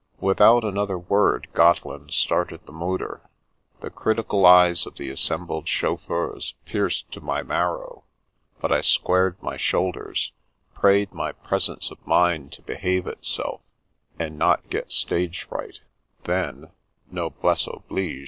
Without another word, Gotteland started the motor. The critical eyes of the assembled chauf feurs pierced to my marrow, but I squared my shoul ders, prayed my presence of mind to behave itself and not get stage fright; then — noblesse oblige!